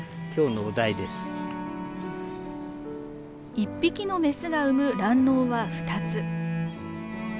１匹のメスが産む卵のうは２つ。